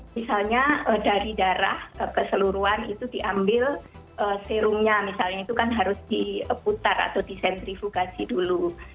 misalnya dari darah keseluruhan itu diambil serumnya misalnya itu kan harus diputar atau disentrifikasi dulu